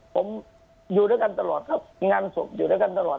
ผมอยู่ด้วยกันตลอดครับงานศพอยู่ด้วยกันตลอด